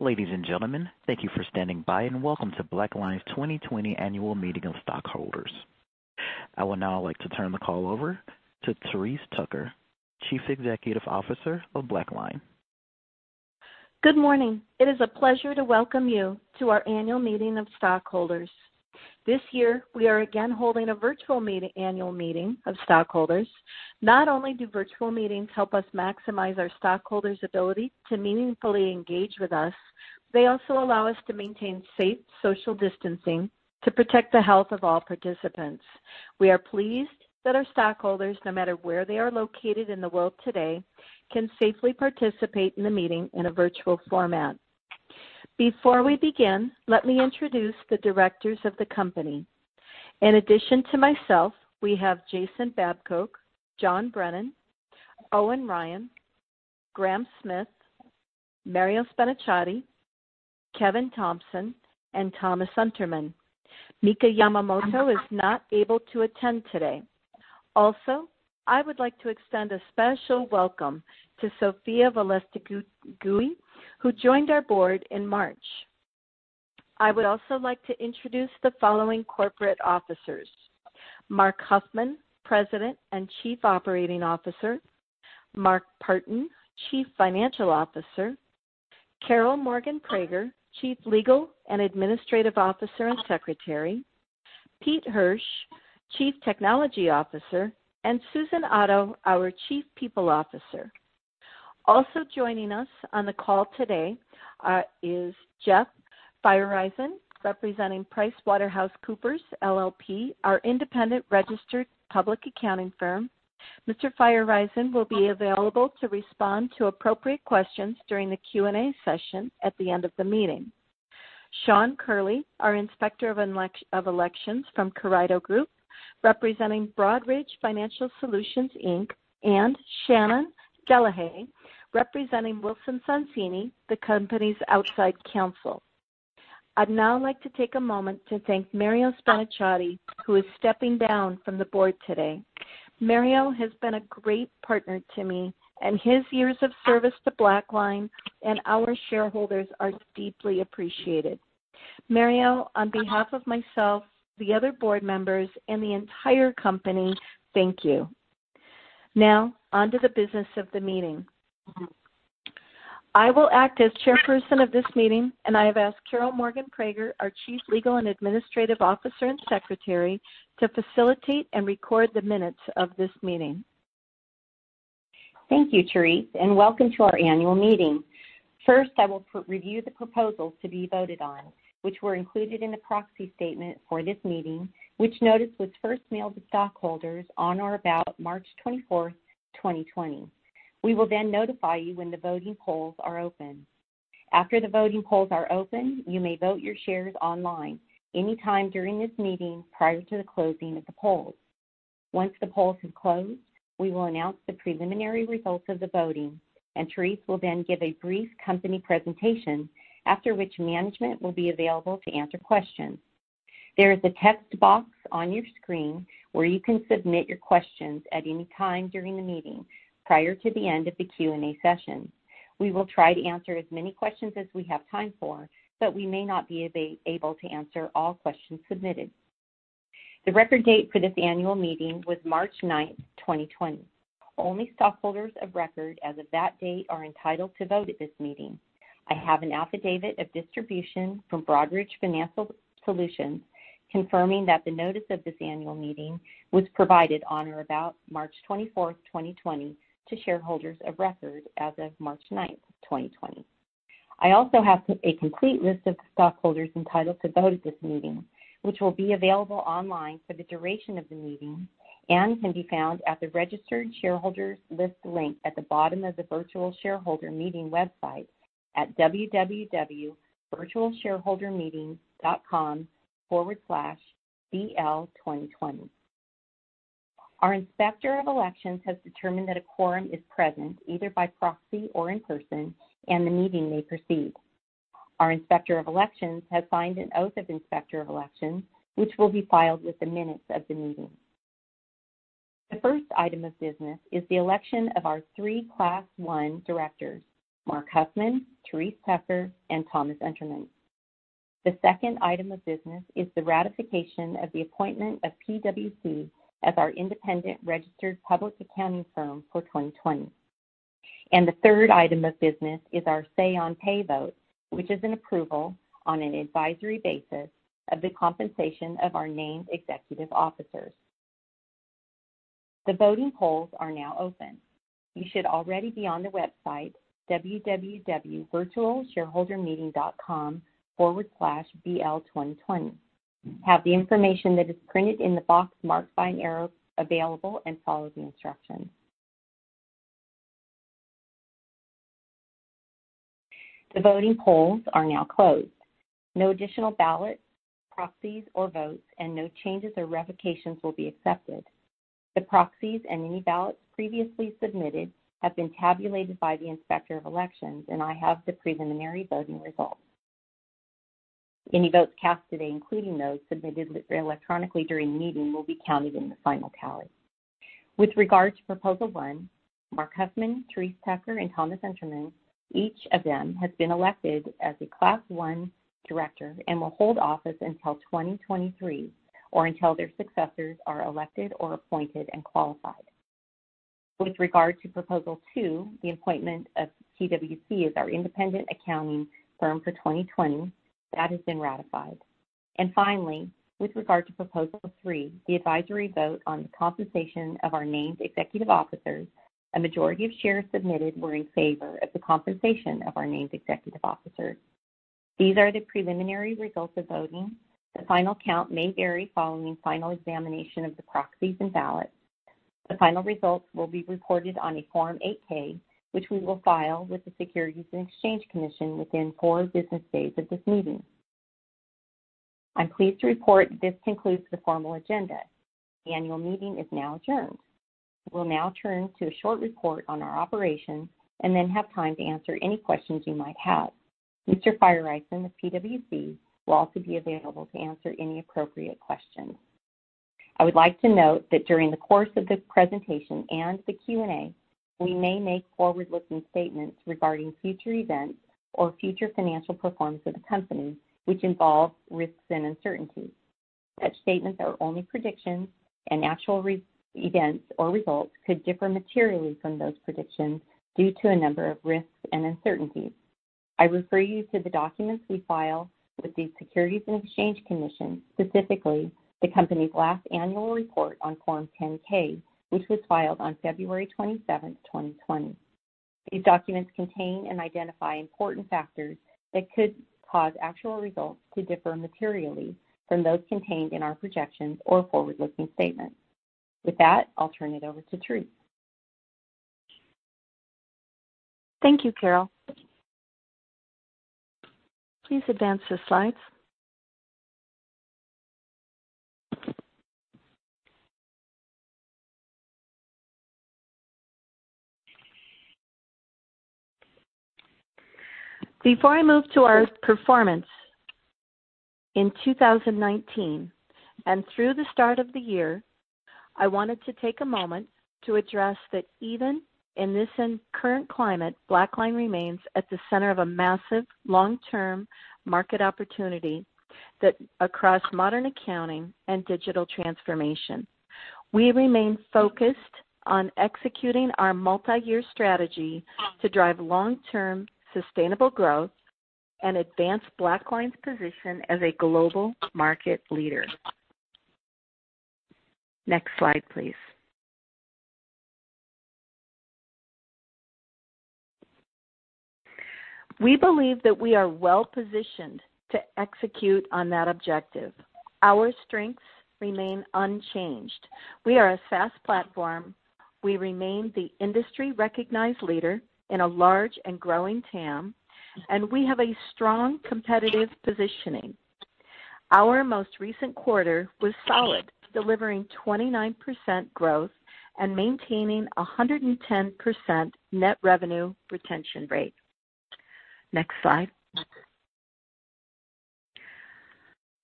Ladies and gentlemen, thank you for standing by and welcome to BlackLine's 2020 Annual Meeting of Stockholders. I would now like to turn the call over to Therese Tucker, Chief Executive Officer of BlackLine. Good morning. It is a pleasure to welcome you to our Annual Meeting of Stockholders. This year, we are again holding a virtual Annual Meeting of Stockholders. Not only do virtual meetings help us maximize our stockholders' ability to meaningfully engage with us, they also allow us to maintain safe social distancing to protect the health of all participants. We are pleased that our stockholders, no matter where they are located in the world today, can safely participate in the meeting in a virtual format. Before we begin, let me introduce the directors of the company. In addition to myself, we have Jason Babcoke, John Brennan, Owen Ryan, Graham Smith, Mario Spanicciati, Kevin Thompson, and Thomas Unterman. Mika Yamamoto is not able to attend today. Also, I would like to extend a special welcome to Sofia Velastegui, who joined our board in March. I would also like to introduce the following corporate officers: Mark Huffman, President and Chief Operating Officer; Mark Partin, Chief Financial Officer; Karole Morgan-Prager, Chief Legal and Administrative Officer and Secretary; Pete Hirsch, Chief Technology Officer; and Susan Otto, our Chief People Officer. Also joining us on the call today is Jeff Feiereisen, representing PricewaterhouseCoopers LLP, our independent registered public accounting firm. Mr. Feiereisen will be available to respond to appropriate questions during the Q&A session at the end of the meeting. Sean Curley, our Inspector of Elections from Broadridge Financial Solutions, and Shannon Delahaye, representing Wilson Sonsini, the company's outside counsel. I'd now like to take a moment to thank Mario Spaciotta, who is stepping down from the board today. Mario has been a great partner to me, and his years of service to BlackLine and our shareholders are deeply appreciated. Mario, on behalf of myself, the other board members, and the entire company, thank you. Now, on to the business of the meeting. I will act as Chairperson of this meeting, and I have asked Karole Morgan-Prager, our Chief Legal and Administrative Officer and Secretary, to facilitate and record the minutes of this meeting. Thank you, Therese, and welcome to our Annual Meeting. First, I will review the proposals to be voted on, which were included in the proxy statement for this meeting, which notice was first mailed to stockholders on or about March 24, 2020. We will then notify you when the voting polls are open. After the voting polls are open, you may vote your shares online anytime during this meeting prior to the closing of the polls. Once the polls have closed, we will announce the preliminary results of the voting, and Therese will then give a brief company presentation, after which management will be available to answer questions. There is a text box on your screen where you can submit your questions at any time during the meeting prior to the end of the Q&A session. We will try to answer as many questions as we have time for, but we may not be able to answer all questions submitted. The record date for this Annual Meeting was March 9, 2020. Only stockholders of record as of that date are entitled to vote at this meeting. I have an affidavit of distribution from Broadridge Financial Solutions confirming that the notice of this Annual Meeting was provided on or about March 24, 2020, to shareholders of record as of March 9, 2020. I also have a complete list of stockholders entitled to vote at this meeting, which will be available online for the duration of the meeting and can be found at the Registered Shareholders List link at the bottom of the Virtual Shareholder Meeting website at www.virtualshareholdermeeting.com/BL2020. Our Inspector of Elections has determined that a quorum is present either by proxy or in person, and the meeting may proceed. Our Inspector of Elections has signed an Oath of Inspector of Elections, which will be filed with the minutes of the meeting. The first item of business is the election of our three Class 1 directors: Mark Huffman, Therese Tucker, and Thomas Unterman. The second item of business is the ratification of the appointment of PwC as our independent registered public accounting firm for 2020. The third item of business is our say-on-pay vote, which is an approval on an advisory basis of the compensation of our named executive officers. The voting polls are now open. You should already be on the website www.virtualshareholdermeeting.com/VL2020. Have the information that is printed in the box marked by an arrow available and follow the instructions. The voting polls are now closed. No additional ballots, proxies, or votes, and no changes or revocations will be accepted. The proxies and any ballots previously submitted have been tabulated by the Inspector of Elections, and I have the preliminary voting results. Any votes cast today, including those submitted electronically during the meeting, will be counted in the final tally. With regard to Proposal 1, Mark Huffman, Therese Tucker, and Thomas Unterman, each of them has been elected as a Class 1 director and will hold office until 2023 or until their successors are elected or appointed and qualified. With regard to Proposal 2, the appointment of PwC as our independent accounting firm for 2020, that has been ratified. Finally, with regard to Proposal 3, the advisory vote on the compensation of our named executive officers, a majority of shares submitted were in favor of the compensation of our named executive officers. These are the preliminary results of voting. The final count may vary following final examination of the proxies and ballots. The final results will be reported on a Form 8-K, which we will file with the Securities and Exchange Commission within four business days of this meeting. I'm pleased to report this concludes the formal agenda. The Annual Meeting is now adjourned. We will now turn to a short report on our operations and then have time to answer any questions you might have. Mr. Feiereisen of PricewaterhouseCoopers LLP will also be available to answer any appropriate questions. I would like to note that during the course of the presentation and the Q&A, we may make forward-looking statements regarding future events or future financial performance of the company, which involves risks and uncertainties. Such statements are only predictions, and actual events or results could differ materially from those predictions due to a number of risks and uncertainties. I refer you to the documents we file with the Securities and Exchange Commission, specifically the company's last Annual Report on Form 10-K, which was filed on February 27, 2020. These documents contain and identify important factors that could cause actual results to differ materially from those contained in our projections or forward-looking statements. With that, I'll turn it over to Therese. Thank you, Karole. Please advance the slides. Before I move to our performance in 2019 and through the start of the year, I wanted to take a moment to address that even in this current climate, BlackLine remains at the center of a massive long-term market opportunity across modern accounting and digital transformation. We remain focused on executing our multi-year strategy to drive long-term sustainable growth and advance BlackLine's position as a global market leader. Next slide, please. We believe that we are well-positioned to execute on that objective. Our strengths remain unchanged. We are a SaaS platform. We remain the industry-recognized leader in a large and growing TAM, and we have a strong competitive positioning. Our most recent quarter was solid, delivering 29% growth and maintaining a 110% net revenue retention rate. Next slide.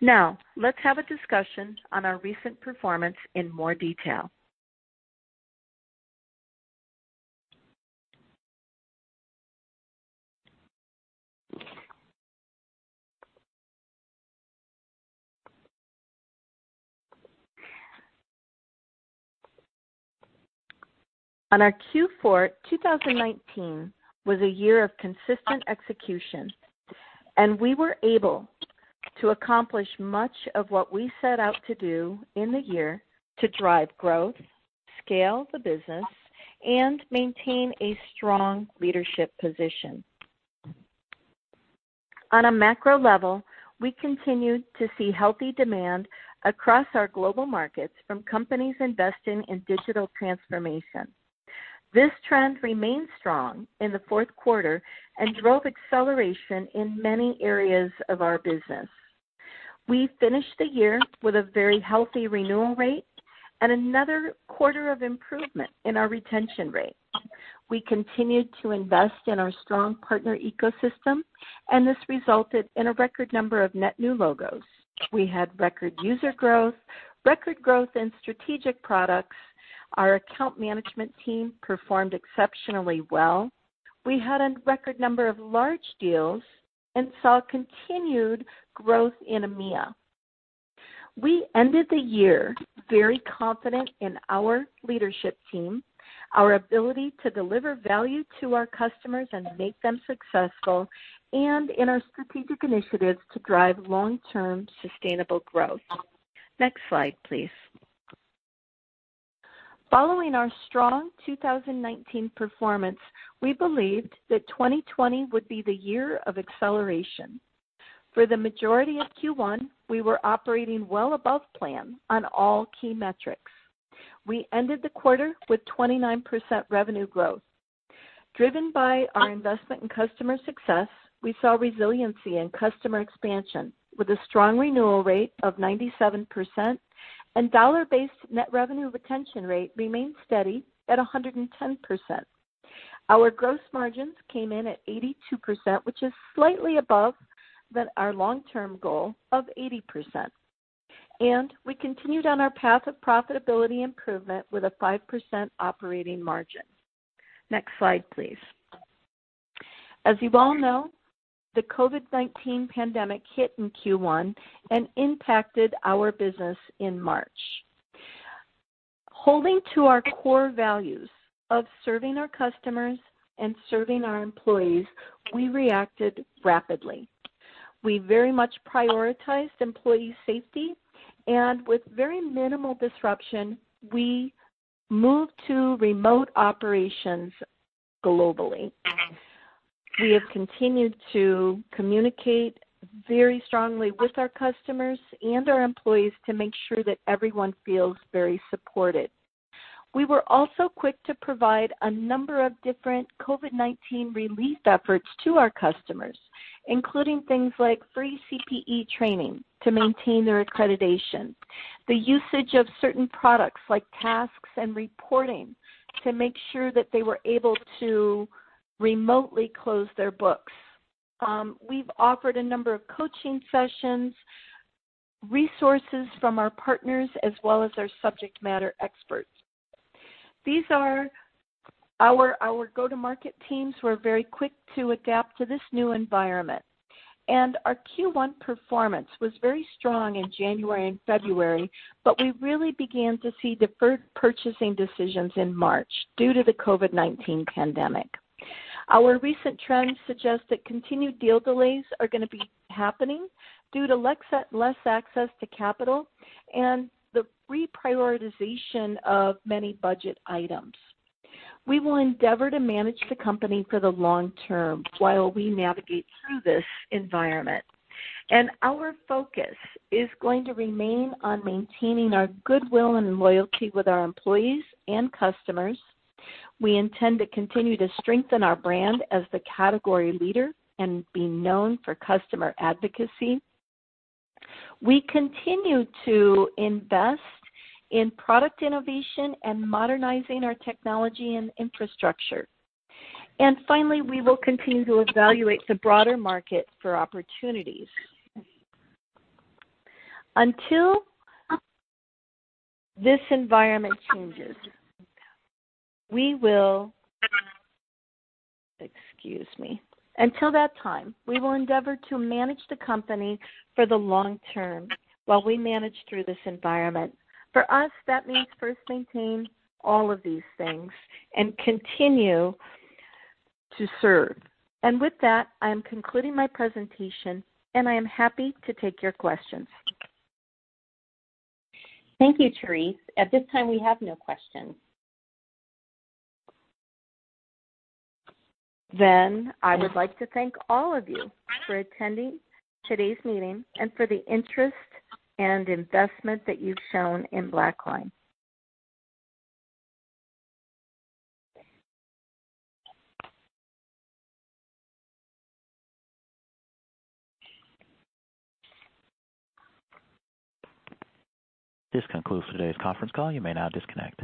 Now, let's have a discussion on our recent performance in more detail. On our Q4, 2019 was a year of consistent execution, and we were able to accomplish much of what we set out to do in the year to drive growth, scale the business, and maintain a strong leadership position. On a macro level, we continued to see healthy demand across our global markets from companies investing in digital transformation. This trend remained strong in the fourth quarter and drove acceleration in many areas of our business. We finished the year with a very healthy renewal rate and another quarter of improvement in our retention rate. We continued to invest in our strong partner ecosystem, and this resulted in a record number of net new logos. We had record user growth, record growth in strategic products. Our account management team performed exceptionally well. We had a record number of large deals and saw continued growth in EMEA. We ended the year very confident in our leadership team, our ability to deliver value to our customers and make them successful, and in our strategic initiatives to drive long-term sustainable growth. Next slide, please. Following our strong 2019 performance, we believed that 2020 would be the year of acceleration. For the majority of Q1, we were operating well above plan on all key metrics. We ended the quarter with 29% revenue growth. Driven by our investment in customer success, we saw resiliency in customer expansion with a strong renewal rate of 97%, and dollar-based net revenue retention rate remained steady at 110%. Our gross margins came in at 82%, which is slightly above our long-term goal of 80%. We continued on our path of profitability improvement with a 5% operating margin. Next slide, please. As you all know, the COVID-19 pandemic hit in Q1 and impacted our business in March. Holding to our core values of serving our customers and serving our employees, we reacted rapidly. We very much prioritized employee safety, and with very minimal disruption, we moved to remote operations globally. We have continued to communicate very strongly with our customers and our employees to make sure that everyone feels very supported. We were also quick to provide a number of different COVID-19 relief efforts to our customers, including things like free CPE training to maintain their accreditation, the usage of certain products like Tasks and Reporting to make sure that they were able to remotely close their books. We've offered a number of coaching sessions, resources from our partners, as well as our subject matter experts. These are our go-to-market teams. We're very quick to adapt to this new environment. And our Q1 performance was very strong in January and February, but we really began to see deferred purchasing decisions in March due to the COVID-19 pandemic. Our recent trends suggest that continued deal delays are going to be happening due to less access to capital and the reprioritization of many budget items. We will endeavor to manage the company for the long term while we navigate through this environment. Our focus is going to remain on maintaining our goodwill and loyalty with our employees and customers. We intend to continue to strengthen our brand as the category leader and be known for customer advocacy. We continue to invest in product innovation and modernizing our technology and infrastructure. Finally, we will continue to evaluate the broader market for opportunities. Until this environment changes, we will—excuse me. Until that time, we will endeavor to manage the company for the long term while we manage through this environment. For us, that means first maintaining all of these things and continue to serve. With that, I am concluding my presentation, and I am happy to take your questions. Thank you, Therese. At this time, we have no questions. Then, I would like to thank all of you for attending today's meeting and for the interest and investment that you've shown in BlackLine. This concludes today's conference call. You may now disconnect.